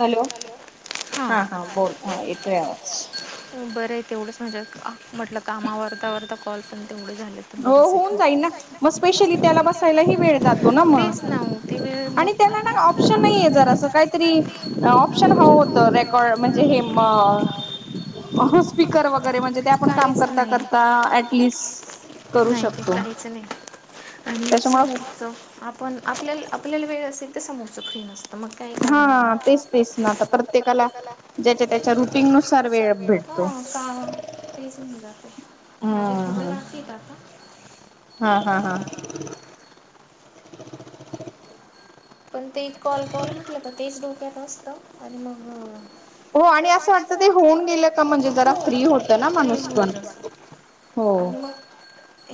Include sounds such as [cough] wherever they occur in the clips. Hello हा हा बोल हा येते आवाज. हो बर तेवढंच म्हणज्या म्हटलं कामावरता ववरता कॉल पण तेवढे झाले होऊन जाई ना मग स्पेशली त्याला बसायलाही वेळ जातो ना मग आणि त्याला ऑप्शन नाही जर असं काहीतरी ऑप्शन ह होतं रेकॉर्ड म्हणजे हे स्पीकर वगैरे म्हणजे ते आपण काम करता करता ऍटलिस्ट नाही ते काहीच नाही आणि आपण आपल्या आपल्याला वेळ असेल तर समोसं फ्री नसतं मग हा तेच तेच ना आता प्रत्येकाला ज्याच्या त्याच्या रुटिंग नुसार वेळ भेट हो का तेच होऊन जाते माझे थोडे वास येत आता हा हा हा पण ते कॉल कॉल म्हटलं तर तेच डोक्यात असतं आणि मग हो आणि असं वाटतं ते होऊन गेलं का म्हणजे जरा फ्री होतं ना माणूस पण हो.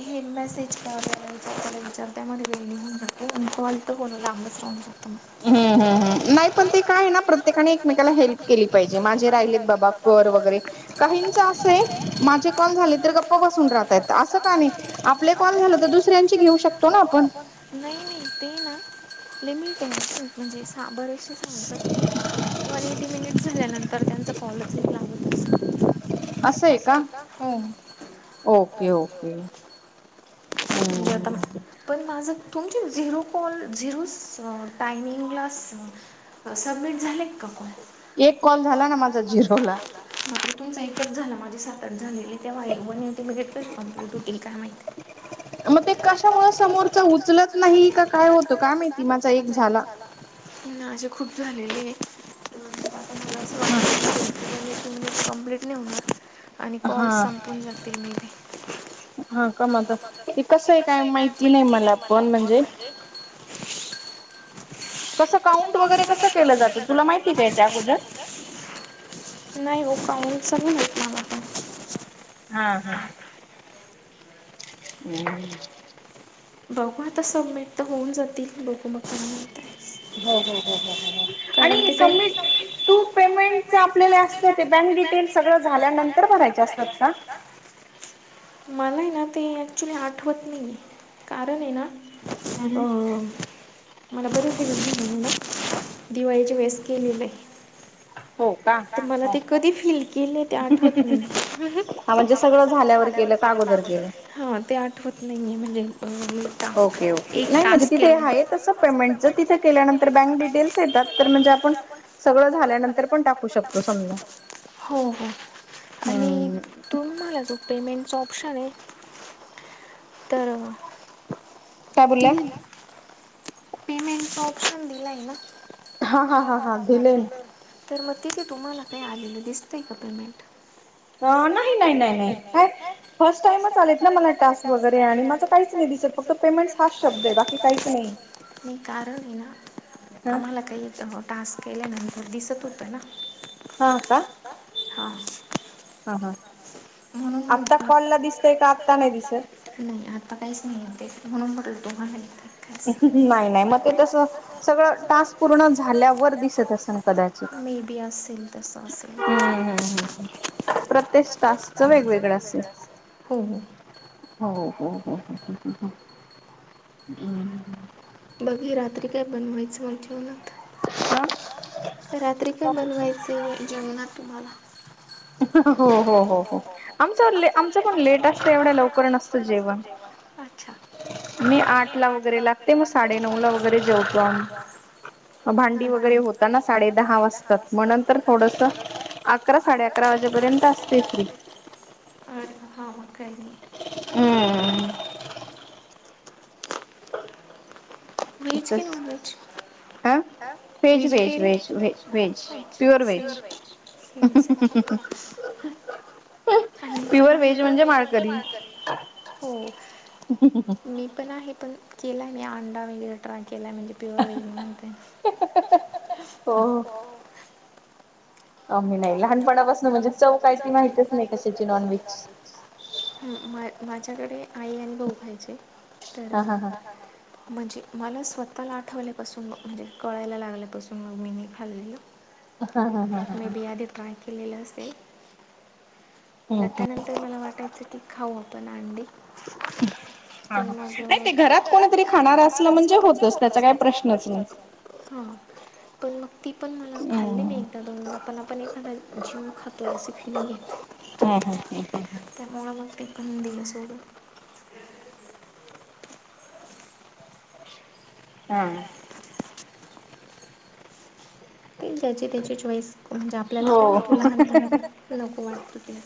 हे मेसेेज [unintelligible] विचारताय माझा वेळ निघून जातो. आणि कॉल तर होणं लांबच. [unintelligible] हं. हं. हं. नाही पण ते काय ये ना? प्रत्येकाने एकमेकाला हेल्प केली पाहिजे. माझे राहिलेत बाबा- कॉल वगैरे. काहींच असंय माझे कॉल झाले तर गप्प बसून राहताय. असं का नाही? आपले कॉल झाले तर, दुसऱ्यांचे घेऊ शकतो ना आपण? नाही नाही ते ना लिमिट आहे. म्हणजे सा बरेचसे सांगतात की- वन एटी मिनिट्स झाल्यानंतर त्यांचां कॉलच लागत असतो. असय का? हो. ओके. जात. पण माझं, तुमचे झिरो कॉल झिरोच टायमिंगलाच - सबमिट झालेत का कॉल? एक कॉल झाला ना माझा झिरो ला. बापरे! तुमचा एकच झाला. माझे सात आठ झाले. तेव्हा वन एटि मिनिट कसे कंम्प्लिट होतील काय माहिती? मग ते कशामुळे समोरचा उचलत नाही का काय होतं? काय माहिती? माझा एक झाला. माझे खूप झालेलेये. [unintelligible] ह. तुमचे कंप्लीट नाही होणार. आणि कॉल संपून जातील मे बी. हा. [unintelligible] तर ते कसं आहे काय? माहिती नाही मला पण म्हणजे- कसं काउंट वगैरे कसं केलं जातं? तुला माहितीय का याच्या अगोदर? नाही ग! काहीच नाही येत मलापण. हा हा. हम्म. बघू आता. सबमिट तर होऊन जातील. बघू मग काय होतय. हो हो हो हो हो हो. आणि सबमिट टू पेमेंट- च आपल्याला असतो, ते बँक डिटेल सगळं झाल्यानंतर भरायचे असतात का? मलाए ना ते ऍक्च्युली आठवत नाहीये. कारण आहे ना- हं. मला बरेच दिवस झाले ना? दिवाळीच्या वेळेस केलेलं आहे. हो का? मला ते कधी फील केल ते आठवत नाही. म्हणजे सगळं झाल्यावर केलं, का अगोदर केलं? हा. ते आठवत नाही आहे ना नेमक. Okay okay. नाही म्हणजे तिथे आहे तसं पेमेंटच. तिथे केल्यानंतर बँक डिटेल्स- येतात. पण म्हणजे आपण, सगळं झाल्यानंतर पण - हो हो. आणि [unintelligible] पेमेंटचं ऑप्शन आहे. तर- पेमेंटचा ऑप्शन दिलाय ना? हा हा हा हा. दिलय ना. तर मग तिथे तुम्हाला काही आलेलं दिसतंय का पेमेंट? आं. नाही नाही नाही नाही. काय फर्स्ट टाइमच आलेत ना मला टास्क वगैरे, आणि माझं काहीच नाही दिसत- फक्त पेमेंट्स हाच शब्द आहे. बाकी काहीच नाही. हे कारण आहे ना? आम्हाला- काही टास्क केल्यानंतर दिसत होतं ना? हा का? हा. हा हा. आत्ता कॉलला दिसतय का? आत्ता नाही दिसत? नाही आत्ता काहीच नाही येतये. म्हणून म्हटल तुम्हाला येतंय. नाही नाही. मग ते कस? सगळ- टास्क पूर्ण झाल्यावर दिसत असेल कदाचित. मे बी असेल. तस अस हम्म हम्म हम्. प्र प्रत्येक तासाच वेगवेगळं असेल, हो हो. हो हो हो हो, हमम. बघी रात्री काय बनवायचं मग जेवनात. तर रात्री काय बनवायचं आहे जेवणात तुम्हाला. हो हो हो हो, आमच आमच पण लेट असते एवढ्या लवकर नसतं जेवण. अच्छा! मी आठ ला वगैरे लागते मग साडे नऊ ला वगैरे जेवतो‌ आम्ही. भांडी वगैरे होताना साडे दहा वाजतात मग नंतर थोडस अकरा साडे अकरा वाजे अर हा हा मग काय आणि? हम्म हम. वेहेज कि नॉन वहेज? आ, vegetarian veg veg veg pure veg. [unintelligible] आणि पण, पीयुअर व्हेज म्हणजे माळकरी, हो. मी पण आहे पण केलाय मी अंडा वगैरे ट्राय केलाय म्हणजे. पुअर व्हेज म्हणते [unintelligible] आम्ही नाही लहानपणापासून म्हणजे चव काय ती माहितीच नाही कशाची नॉन व्हेज ची. ह माझ्याकडे आई आणि भाऊ वयचे तर. म्हणजे मला स्वतःला आठवल्यापासून मग म्हणजे कळायला लागल्यापासून मग मी खाल्लेलं. हा हा हा हा हा. ट्राय केले असेल नंतर ते मला वाटायचं की खाऊ आपण अंडी. हा हा नाही ते घरात कोणीतरी खाणार असलं म्हणजे होतच त्याचा काही प्रश्नच नाही. हा तो ती पण मला खाल्ली नाही एकदा दोन दा पण आपण एखादा जीव खातोय अशी फिलिंग येते. हा हा ह ह ह. त्यामुळं मग ते पण दिलं सोडून. ह [unintelligible] ते ज्याची त्याची चॉईस म्हणजे आपल्याला काय म्हटत लहानपणा नको वाटतं ते.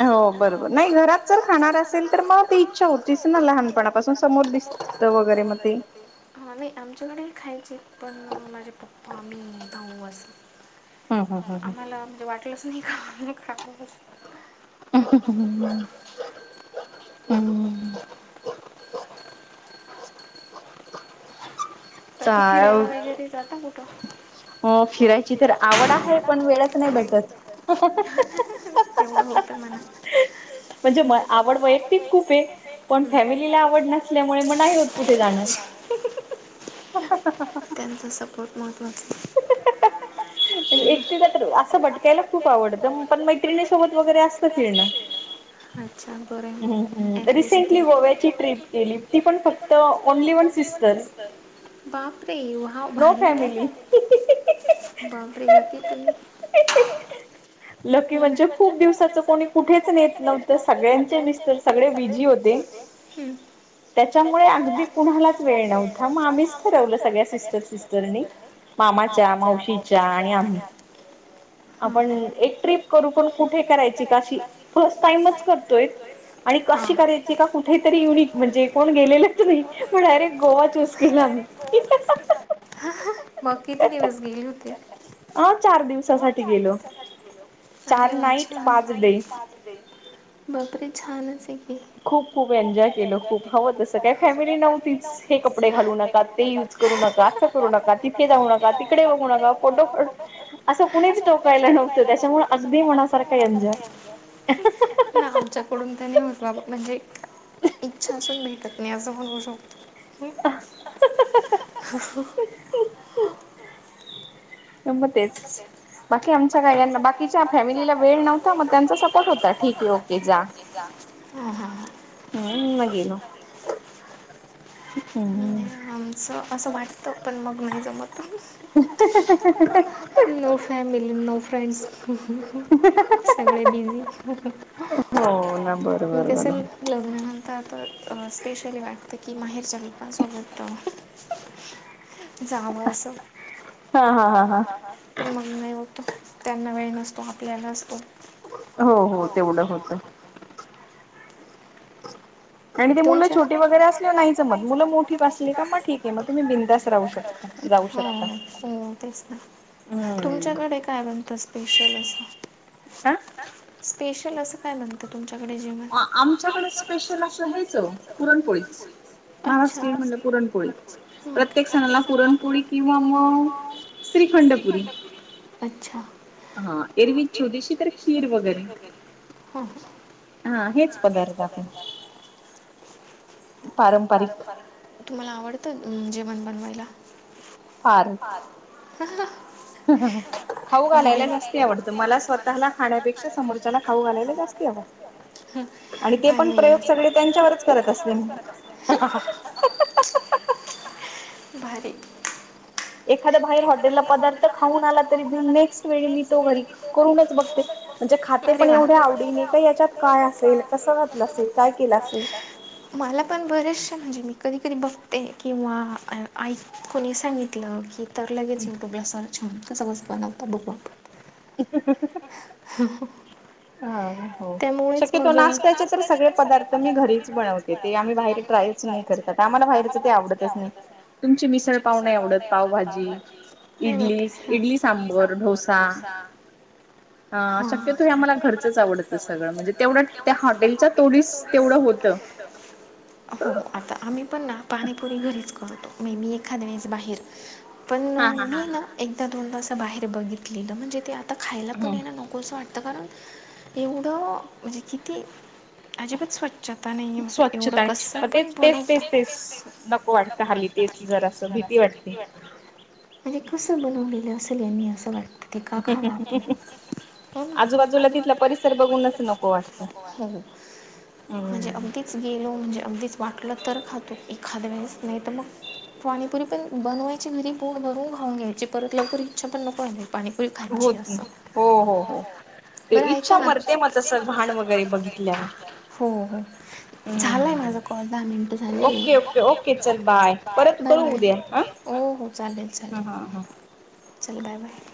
हो बरोबर नाही घरात जर खाणार असेल तर मग ती इच्छा होतीस ना लहानपणापासून समोर दिसते. वगैरे म ते. ह नाही आमच्याकडे खायचे पण माझे पप्पा मी आऊ असं. आम्हाला म्हणजे वाटलच नाही का ख ह ह हम्. कधी फिरायला वगैरे जाता कुठं? हो फिरायची. [unintelligible] तेवढं होत ना. म्हणजे म आवड वैयक्तिक खूप आहे पण फॅमिलीला आवड नसल्यामुळे मग नाही होत कुठे जाणं. हा हा हा. त्यांचा सपोर्ट महत्वाचा हाय. तर एकटीला तर असं भटकायला खूप आवडतं पण मैत्रिणी सोबत वगैरे असतं फिरणं. अच्छा बर आहे मग ॲटलिस्ट, गोव्या ची ट्रिप. ती पण फक्त ओनली वन सिस्टर. बापरे! व भारी हो बापरे! लकी तुम्ही. ही ही. लकी म्हणजे खूप दिवसाच कोणी कुठेच नेत नव्हतं सगळ्यांचे मिस्टर. सगळे बीजी होते त्याच्यामुळे अगदी कुणालाच वेळ नव्हता मग आम्हीच ठरवलं सगळ्या सिस्टर सिस्टरनी मामाच्या मावशीच्या जाना आपण एक ट्रिप करू पण कुठे करायची काशी फर्स्ट टाइमच करतोय आणि कशी करायची का कुठेेतरी युनिक म्हणजे कोण गेलेलंच नाही पण डायरेक्ट गोवा चूज केला आम्ही ही हा हा हा हा मग किती दिवस गेली होत्या अ चार दिवसासाठी गेलो चार नाईट पाच डे बापरी छानच कि खूप खूप एन्जॉय केलं खूप हवं तसं काय फॅमिली नव्हतीच हे कपडे घालू नका ते यज बगु नका अस करू नका तिथे जाऊ नका तिकडे बघू नका फोट असं कुणीच टोकायला नव्हतं त्याच्यामुळे अगदी मनासारखा यंजा नाम त्याच्याकडून त्याने बाबा म्हणजे इच्छा असून भेटत नाही असं म्हणू शकतो हु हा हा हु.. गं म तेच बाकी आमच्या गाड्या बाकीच्या फॅमिलीला वेळ नव्हता मग त्यांचा सपोर्ट होता ठीक ओके जा हा हां हम्म म गेलो हम् असं असं वाटतं पण मग नाही जमत हा हा नो फॅमिली नो फ्रेंड्स हु हु सगळे बिझी हु हु हो ना बरं बर बर लग्नानंतर आता स्पेशली वाटतं की माहेरच्या चलो समता जाव असं ह हा हा पण मग नाही होतं त्यांना वेळ नसतो आपल्याला असतो हो हो तेवढं होत तुमचे मुल छोटे वगैरे असले तर नाही जमत मूल मोठी असली की मग काय करावे हो हो तेच ना हम्म तुमच्याकडे काय बनत स्पेशल असं आ स्पेशल असं काय बनत तुमच्याकडे जेवण आमच्याकडे स्पेशल असं हेचं पुरणपोळीच महाराष्ट्रीय म्हणलं पुरणपोळीच प्रत्येक सणाला पुरणपोळी किंवा मग श्रीखंड पुरी अच्छा हा एरवी छोटीशी तर खीर वगैरे हा हा हा हेच पदार्थ टाकून पारंमपार तुम्हाला आवडतं जेवण बनवायला फार फार हा हा भावे जास्ती आवडत मला स्वतःला खाण्यापेक्षा समोरला खाऊ घायला जास्ती आवडत ह आणि ते पण प्रयोग सगळे त्यांच्यावरच करत असते ह हा हा हा हा भारी एखाद बाहेर हॉटेलला पदार्थ खाऊन आला तरी मी नेक्स्ट वेळ मी तो घरी करूनच बघते म्हणजे खाते पण एवढ्या आवडीने का याच्यात काय असेल कसं घातलं असेल. काय केल असेल. मला पण बरेचशे म्हणजे मी कधीकधी बघते किंवा ऐक कोणी सांगितलं की तर लगेच यूट्यूबला सर्च होऊन कस कस बनवता बघू आपण. [unintelligible] त्यामुळेच मग बनवते ते आम्ही बाहेर ट्राईच नाही करत, आम्हाला बाहेरच ते आवडतच नाही. तुमची मिसळ पाव नाही आवडत पावभाजी, इडली सांबर, डोसा ह शक्यतो हे आम्हाला घरचंच आवडतं सगळं म्हणजे तेवढं त्यांच्या तोडीस तेवढं होत. [inaudible] हो आता आम्ही पण ना पाणीपुरी घरीच करतो मी एखाद्या वेळेस बाहेर पण मी ना एकदा दोनदा असं बाहेर बघितलेलं म्हणजे ते आता खायला पण येण नव कोस वाटत कारण एवढं म्हणजे किती अजिबात स्व स्वच्छता आणि मग तेच तेच तेच तेच नको वाटतं हल्ली. तेच जरास भीती वाटते. आणि कसं बनवलेलं असेल मी असं वाटतं ते का खावा आपण हो ना आजूबाजूला तिथं परिसर बघलाच नको [unintelligible] म्हणजे अगदी गेलो म्हणजे अगदीच वाटलं तर खातो एखाद वेळेस नाही तर मग पाणीपुरी पण बनवायची घरी पोट भरून खाऊन घ्यायची परत लवकर इच्छा पण नको आली पाणीपुरी खायची असं हो हो हो! बरं ऐका ना हो हो! झालाय माझा कॉल दहा मिनिट झालेलं आहे ओके ओके चल बाय बाय. हो हो चालेल चालेल. हा! चल बाय बाय.